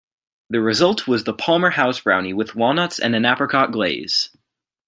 The result was the Palmer House Brownie with walnuts and an apricot glaze.